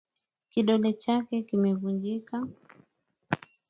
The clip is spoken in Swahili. Kidole chake kimevunjika